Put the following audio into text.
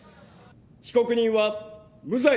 被告人は無罪